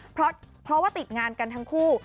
เพราะว่าติดงานกันทั้งคู่